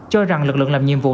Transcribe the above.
cho rằng lực lượng làm nhiệm vụ